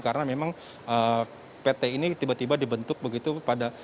karena memang pt ini tiba tiba dibentuk begitu pada